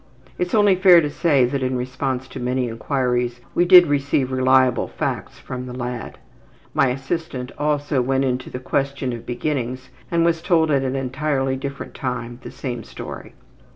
It is only fair to say that in response to many inquiries we did receive reliable facts from the lad. My assistant also went into the question of beginnings and was told at an entirely different time the same story.